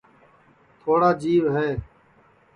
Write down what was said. تھواڑا جیو ہے